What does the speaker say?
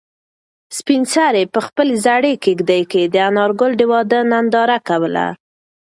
سپین سرې په خپلې زړې کيږدۍ کې د انارګل د واده ننداره کوله.